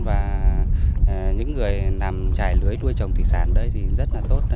và những người nằm trải lưới đuôi trồng thị sản ở đây thì rất là tốt